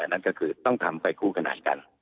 นั่นก็คือต้องทำไปคู่ขนาดกัน